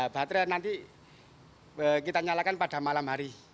baterai nanti kita nyalakan pada malam hari